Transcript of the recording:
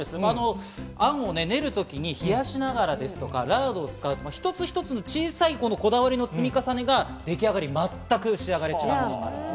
あんを練るときに冷やしながらとか、ラードを使う、一つ一つの小さいこだわりの積み重ねで出来上がり、全く仕上がり違います。